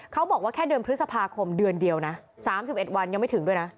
เขาบอกว่าแค่เดือนพฤษภาคมเดือนเดียวนะ๓๑วันยังไม่ถึงด้วยนะ